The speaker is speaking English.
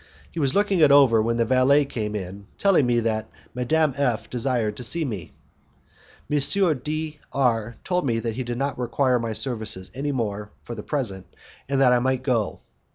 He was looking it over when the valet came in, telling me that Madame F desired to see me. M. D R told me that he did not require my services any more for the present, and that I might go.